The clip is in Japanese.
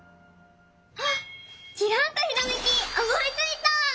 あっきらんとひらめきおもいついた！